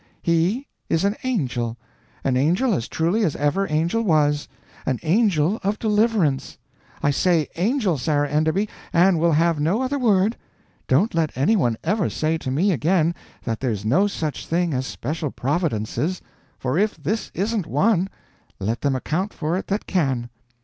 He is an angel an angel as truly as ever angel was an angel of deliverance. I say angel, Sarah Enderby, and will have no other word. Don't let any one ever say to me again, that there's no such thing as special Providences; for if this isn't one, let them account for it that can."